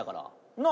なあ？